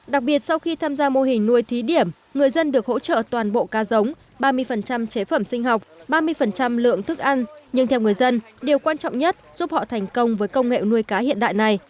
đặc biệt sau khi tham gia mô hình nuôi thí điểm người dân được hỗ trợ toàn bộ cá giống ba mươi chế phẩm sinh học ba mươi lượng thức ăn nhưng theo người dân điều quan trọng nhất giúp họ thành công với công nghệ nuôi cá hiện đại này